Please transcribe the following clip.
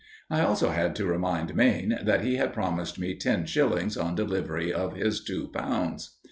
I also had to remind Mayne that he had promised me ten shillings on delivery of his two pounds.